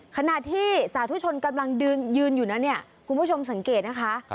ขณะที่สาธุชนกำลังยืนอยู่คุณผู้ชมสังเกตนะคะ